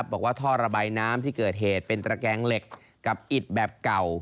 บอกว่าท่อระบายน้ำที่เกิดเหตุเป็นตระแกงเหล็กกับอิดแบบเก่า